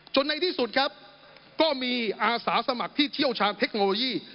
ในที่สุดครับก็มีอาสาสมัครที่เชี่ยวชาญเทคโนโลยี